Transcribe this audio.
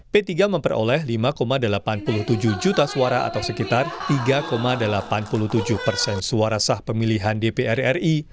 p tiga memperoleh lima delapan puluh tujuh juta suara atau sekitar tiga delapan puluh tujuh persen suara sah pemilihan dpr ri